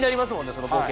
そのボケ。